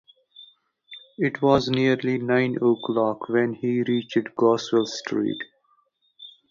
It was nearly nine o’clock when he reached Goswell Street.